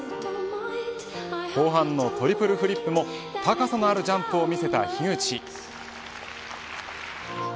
後半のトリプルフリップも高さのあるジャンプを見せた樋口。